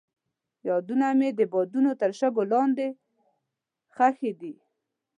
یادونه مې د بادونو تر شګو لاندې ښخې دي.